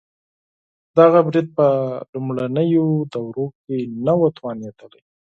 دغه برید په لومړنیو دورو کې نه و توانېدلی.